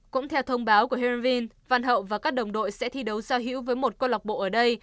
cũng theo thông báo của heerenveen văn hậu và các đồng đội sẽ thi đấu giao hữu với một cơ lộng bộ ở đây